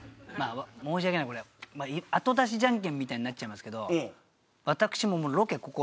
申し訳ないこれあと出しジャンケンみたいになっちゃいますけど私も。